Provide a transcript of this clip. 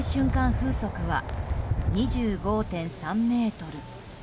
風速は２５．３メートル。